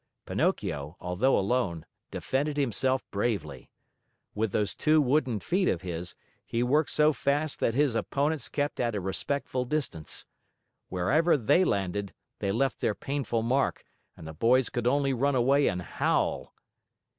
Pinocchio, although alone, defended himself bravely. With those two wooden feet of his, he worked so fast that his opponents kept at a respectful distance. Wherever they landed, they left their painful mark and the boys could only run away and howl.